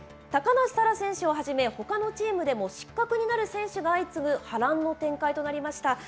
高梨沙羅選手をはじめ、ほかのチームでも失格になる選手が相次ぐ波乱の展開となりました。